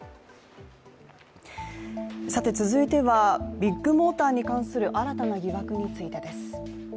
続いてはビッグモーターに関する新たな疑惑についてです。